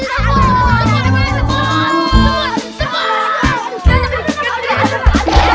gak ada beri gak ada beri